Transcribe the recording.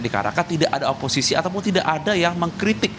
dikarenakan tidak ada oposisi ataupun tidak ada yang mengkritik